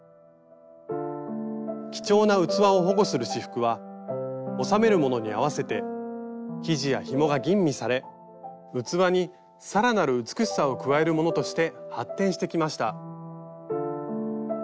貴重な器を保護する仕覆は収めるものに合わせて生地やひもが吟味され器に更なる美しさを加えるものとして発展してきました。